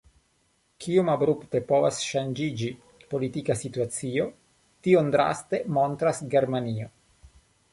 Kiom abrupte povas ŝanĝiĝi politika situacio, tion draste montras Germanio.